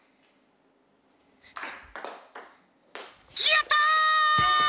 やった！